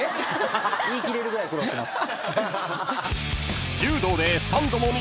言い切れるぐらい苦労してます。